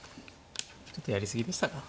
ちょっとやり過ぎでしたか。